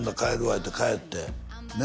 言うて帰ってね